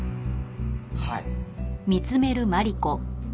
はい。